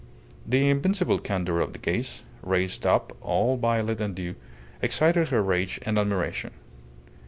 The invincible candour of the gaze, raised up all violet and dew, excited her rage and admiration.